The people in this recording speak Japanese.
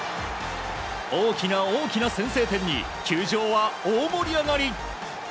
大きな大きな先制点に球場は大盛り上がり！